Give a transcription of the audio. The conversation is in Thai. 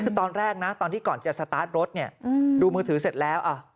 คือตอนแรกนะตอนที่ก่อนจะสตาร์ทรถเนี่ยดูมือถือเสร็จแล้ว